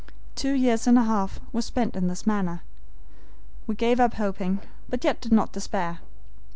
Two years and a half were spent in this manner. We gave up hoping, but yet did not despair.